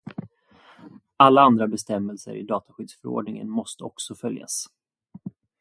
Alla andra bestämmelser i dataskyddsförordningen måste också följas.